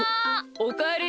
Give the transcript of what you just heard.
おかえり。